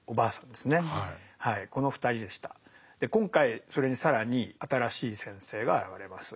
で今回それに更に新しい先生が現れます。